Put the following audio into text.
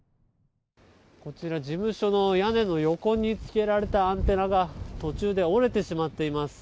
事務所の屋根の横につけられたアンテナが途中で折れてしまっています。